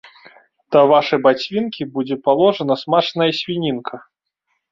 Да вашай бацвінкі будзе паложана смачная свінінка.